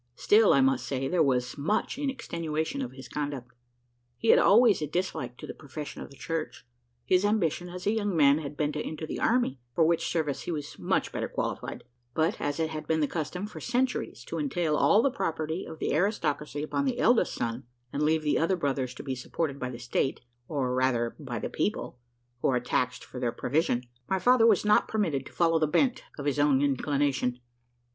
Still, I must say, there was much in extenuation of his conduct. He had always a dislike to the profession of the church: his ambition, as a young man, had been to enter the army; for which service he was much better qualified; but, as it has been the custom for centuries to entail all the property of the aristocracy upon the eldest son, and leave the other brothers to be supported by the state, or rather by the people, who are taxed for their provision, my father was not permitted to follow the bent of his own inclination.